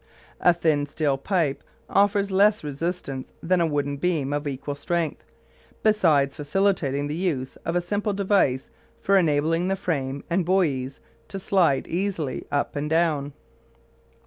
A thin steel pipe offers less resistance than a wooden beam of equal strength, besides facilitating the use of a simple device for enabling the frame and buoys to slide easily up and down.